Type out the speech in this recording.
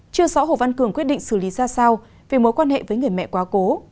chưa rõ hồ văn cường quyết định xử lý ra sao về mối quan hệ với người mẹ quá cố